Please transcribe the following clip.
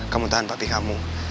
kamu tahan papi kamu